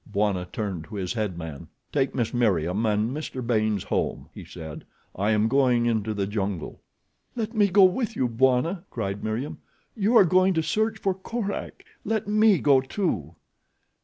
Bwana turned to his headman. "Take Miss Meriem and Mr. Baynes home," he said. "I am going into the jungle." "Let me go with you, Bwana," cried Meriem. "You are going to search for Korak. Let me go, too."